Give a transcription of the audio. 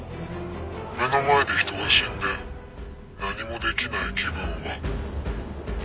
目の前で人が死んで何もできない気分は。